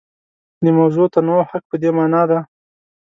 د موضوعي تنوع حق په دې مانا دی.